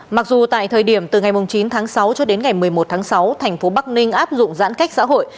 mặc dù tại thời điểm từ ngày chín tháng sáu cho đến ngày một mươi một tháng sáu thành phố bắc ninh áp dụng giãn cách xã hội